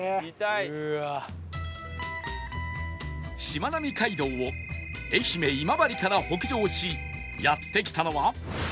しまなみ海道を愛媛今治から北上しやって来たのは